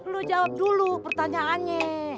lu jawab dulu pertanyaannya